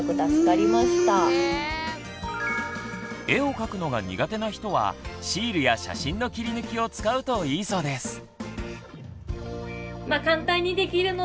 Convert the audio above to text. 絵を描くのが苦手な人はシールや写真の切り抜きを使うといいそうです。